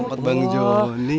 oh bang joni